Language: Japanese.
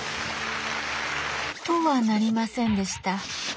とはなりませんでした。